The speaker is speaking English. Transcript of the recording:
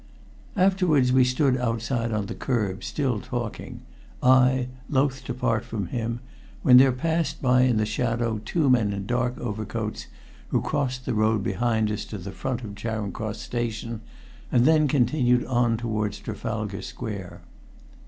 Afterwards we stood outside on the curb, still talking, I loth to part from him, when there passed by in the shadow two men in dark overcoats, who crossed the road behind us to the front of Charing Cross station, and then continued on towards Trafalgar Square.